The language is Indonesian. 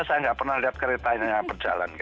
saya gak pernah lihat keretanya yang berjalan